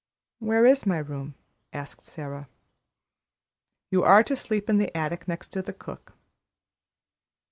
"Where is my room?" asked Sara. "You are to sleep in the attic next to the cook."